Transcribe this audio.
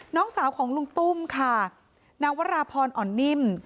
น้องสาวของลุงตุ้มค่ะนางวราพรอ่อนนิ่ม